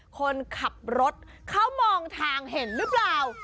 คนขับรถเขามองทางเห็นหรือเปล่า